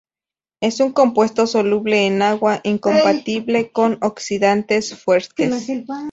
Es un compuesto soluble en agua, incompatible con oxidantes fuertes.